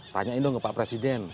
tanyain dong ke pak presiden